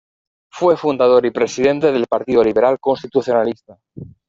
Fue fundador y presidente del Partido Liberal Constitucionalista.